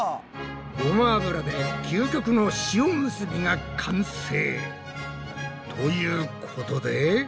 ごま油で究極の塩むすびが完成！ということで。